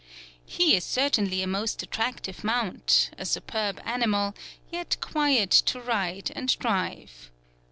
He is certainly a most attractive mount: a superb animal, yet quiet to ride and drive.